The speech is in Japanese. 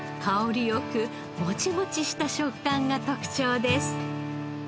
香りよくモチモチした食感が特徴です。